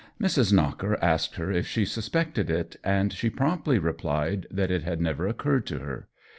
' Mrs. Knocker asked her if she suspected it, and she promptly replied that it had never oc curred to her.